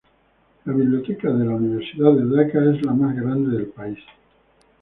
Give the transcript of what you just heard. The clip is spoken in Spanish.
La biblioteca de la Universidad de Daca es la más grande del país.